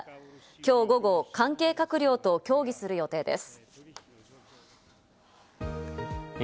きょう午後、関係閣僚と協議する予定です。